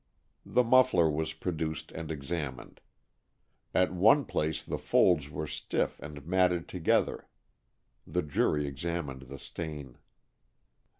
The muffler was produced and examined. At one place the folds were stiff and matted together. The jury examined the stain.